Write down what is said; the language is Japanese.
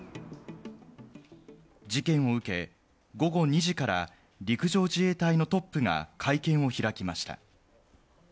事件を受け、午後２時から陸上自衛隊のトップが会見を開きました。